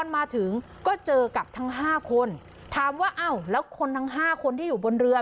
มาถึงก็เจอกับทั้งห้าคนถามว่าอ้าวแล้วคนทั้งห้าคนที่อยู่บนเรือ